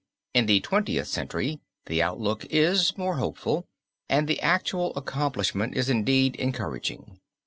In the Twentieth Century the outlook is more hopeful and the actual accomplishment is indeed encouraging.